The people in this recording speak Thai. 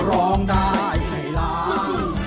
ร้องได้ให้ล้าน